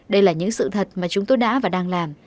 đây là những sự thật mà chúng tôi đã và đang làm